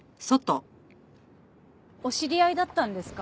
お知り合いだったんですか？